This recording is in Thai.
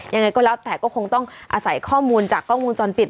ยังไงก็แล้วแต่ก็คงต้องอาศัยข้อมูลจากกล้องวงจรปิด